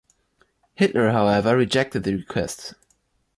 Hitler, however, rejected the request.